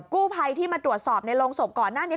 กู้ภัยที่มาตรวจสอบในโรงศพก่อนหน้านี้